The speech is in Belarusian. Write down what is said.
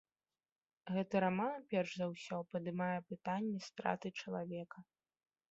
Гэты раман перш за ўсё падымае пытанні страты чалавека.